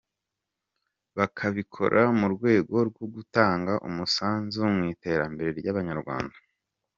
Bakabikora mu rwego rwo gutanga umusanzu mu iterambere ry’Abanyarwanda.